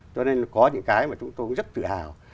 cho nên có những cái mà chúng tôi rất tự hào